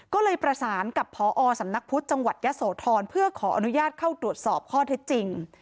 ก็เลยประสานกับพอสำนักพุทธจังหวัดยะโสธรเพื่อขออนุญาตเข้าตรวจสอบข้อเท็จจริง